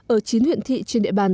ở chín huyện thị trên địa bàn